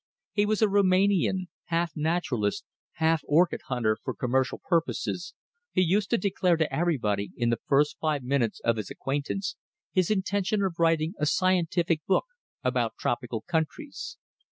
He was a Roumanian, half naturalist, half orchid hunter for commercial purposes, who used to declare to everybody, in the first five minutes of acquaintance, his intention of writing a scientific book about tropical countries.